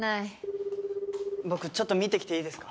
僕ちょっと見てきていいですか？